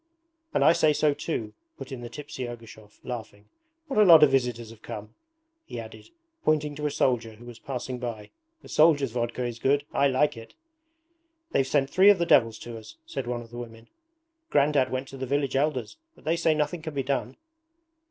'And I say so too,' put in the tipsy Ergushov, laughing. 'What a lot of visitors have come,' he added, pointing to a soldier who was passing by. 'The soldiers' vodka is good I like it.' 'They've sent three of the devils to us,' said one of the women. 'Grandad went to the village Elders, but they say nothing can be done.'